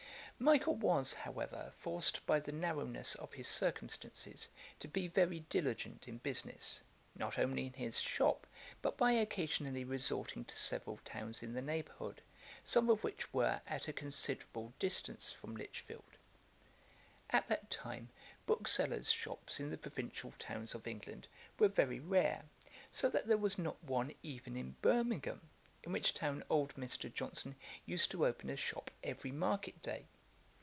Michael was, however, forced by the narrowness of his circumstances to be very diligent in business, not only in his shop, but by occasionally resorting to several towns in the neighbourhood, some of which were at a considerable distance from Lichfield. At that time booksellers' shops in the provincial towns of England were very rare, so that there was not one even in Birmingham, in which town old Mr. Johnson used to open a shop every market day.